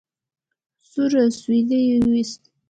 سوړ اسويلی يې ويست.